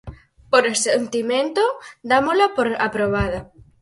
Por asentimento, dámola por aprobada.